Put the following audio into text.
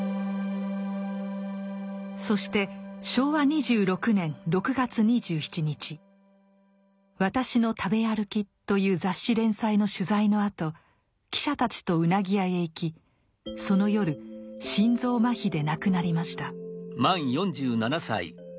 そして昭和２６年６月２７日「私の食べあるき」という雑誌連載の取材のあと記者たちとうなぎ屋へ行きその夜心臓麻痺で亡くなりました。